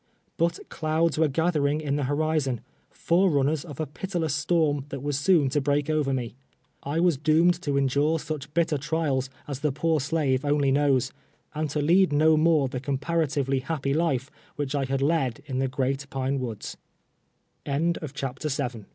13ut clouds were gutlierinLj iu the hori zon — forerunners of a pitiless storm tluit was soon to break over me. I was doomed to endure sucli bit ter trials as the poor slave only knows, and to lead no more the comparatively happy life wbich I had led in